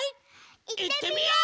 いってみよう！